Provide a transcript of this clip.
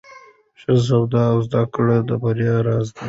ښه سواد او زده کړه د بریا راز دی.